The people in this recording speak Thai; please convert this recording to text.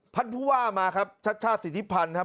พันธุวามาครับชาติชาติสิทธิพันธุ์ครับ